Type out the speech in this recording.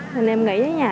nên em nghỉ ở nhà